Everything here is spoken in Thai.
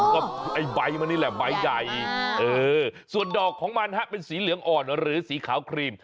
อ๋อใหญ่มากส่วนดอกของมันฮะเป็นสีเหลืองอ่อนหรือสีขาวครีม